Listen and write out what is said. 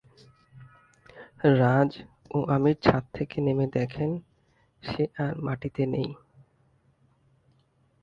রাজ ও আমির ছাদ থেকে নেমে দেখেন সে আর মাটিতে নেই।